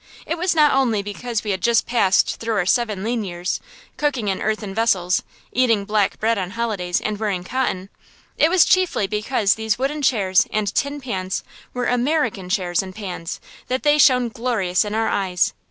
It was not only because we had just passed through our seven lean years, cooking in earthen vessels, eating black bread on holidays and wearing cotton; it was chiefly because these wooden chairs and tin pans were American chairs and pans that they shone glorious in our eyes.